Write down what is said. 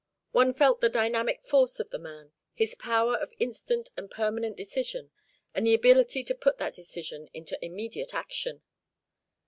One felt the dynamic force of the man, his power of instant and permanent decision, and the ability to put that decision into immediate action.